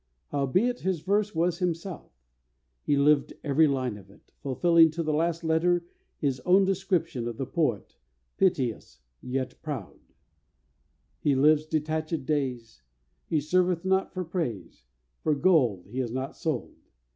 Howbeit, his verse was himself; he lived every line of it, fulfilling to the last letter his own description of the poet, piteous yet proud: He lives detachèd days; He serveth not for praise; For gold He is not sold.